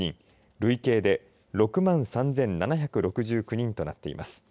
累計で６万３７６９人となっています。